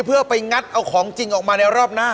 เพื่อไปงัดเอาของจริงออกมาในรอบหน้า